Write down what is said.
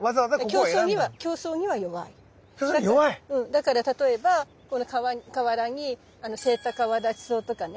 だから例えばこの河原にセイタカアワダチソウとかね